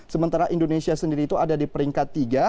sementara indonesia sendiri itu ada di peringkat tiga